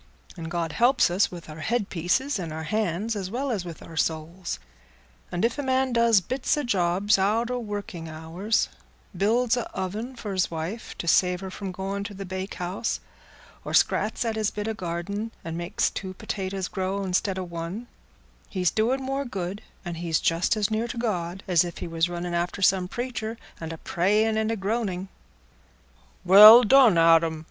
And God helps us with our headpieces and our hands as well as with our souls; and if a man does bits o' jobs out o' working hours—builds a oven for 's wife to save her from going to the bakehouse, or scrats at his bit o' garden and makes two potatoes grow istead o' one, he's doin' more good, and he's just as near to God, as if he was running after some preacher and a praying and a groaning." "Well done, Adam!"